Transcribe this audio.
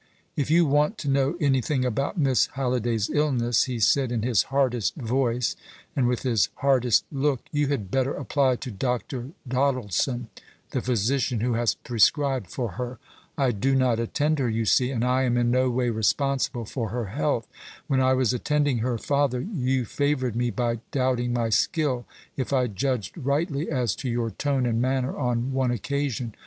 "If you want to know anything about Miss Halliday's illness," he said in his hardest voice, and with his hardest look, "you had better apply to Dr. Doddleson, the physician who has prescribed for her. I do not attend her, you see, and I am in no way responsible for her health. When I was attending her father you favoured me by doubting my skill, if I judged rightly as to your tone and manner on one occasion.